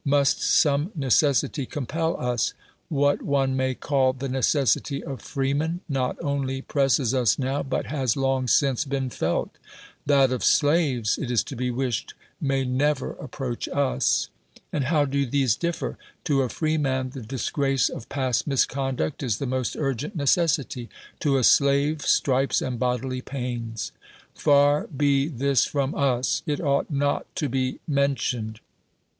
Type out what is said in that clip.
IMiist some necessity compel us? What one may cal] the necessity of freemen not only presses us now, but has long since been felt: that of slaves, it is to be wished, maj^ never approach us. And how do these differ? To a freeman, the disgrace of past misconduct is the most urgent necessity; to a slave stripes and bodily pains. Far bo this from us ! It ought not to be mentioned.